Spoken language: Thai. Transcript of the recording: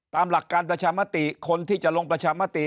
ตามหลักการประชามติคนที่จะลงประชามติ